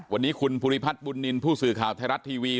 วันนี้คุณภูริพัฒน์บุญนินทร์ผู้สื่อข่าวไทยรัฐทีวี